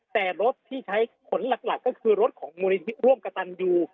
แต่รถที่ใช้ขนหลักก็คือรถของมูลนิธิร่วมกระตันยู